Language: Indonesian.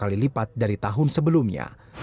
ini lebih lipat dari tahun sebelumnya